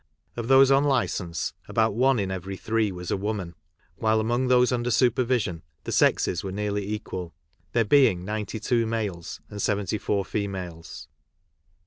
Of those on licence about one in every three was a woman, while among those under super vision the sexes were nearly equal, there being 92 ma es and 74 females.